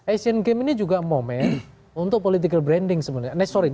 asian games ini juga momen untuk political branding sebenarnya